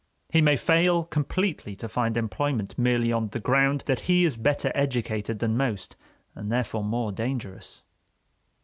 He may fail completely to find employment merely on the ground that he is better educated than most and therefore more dangerous.